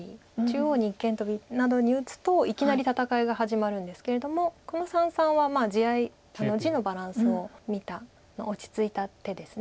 中央に一間トビなどに打つといきなり戦いが始まるんですけれどもこの三々は地合い地のバランスを見た落ち着いた手です。